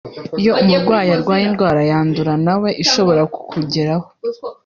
Iyo umurwayi arwaye indwara yandura nawe ishobora kukugeraho